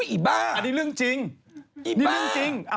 โอ๊ยอีบ้า